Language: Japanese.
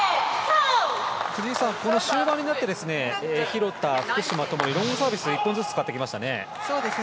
藤井さん、終盤になって廣田、福島共にロングサービスで１本ずつ使ってきましたね。